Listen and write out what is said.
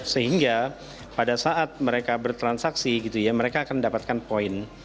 sehingga pada saat mereka bertransaksi mereka akan mendapatkan poin